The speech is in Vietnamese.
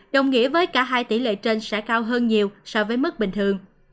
đồng nghĩa với cả hai tỷ lệ trên sẽ cao hơn nhiều so với mức bình thường